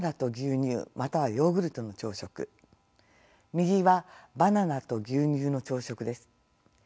右はバナナと牛乳の朝食です。